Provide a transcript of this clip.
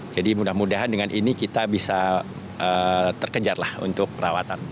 jadi mudah mudahan dengan ini kita bisa terkejar lah untuk perawatan